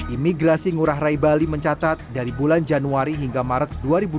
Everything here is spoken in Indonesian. imigrasi ngurah rai bali mencatat dari bulan januari hingga maret dua ribu dua puluh